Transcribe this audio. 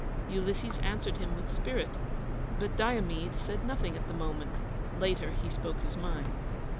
Ulysses answered him with spirit, but Diomede said nothing at the moment; later he spoke his mind.